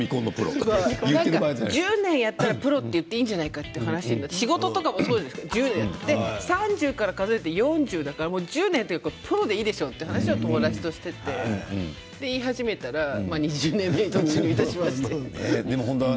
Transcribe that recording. １０年やったら、プロと言って言っていいんじゃないかなと思って仕事もそうじゃないですか３０から数えて４０だから１０年だからプロと言っていいでしょうということで言い始めたら２０年目に突入しました。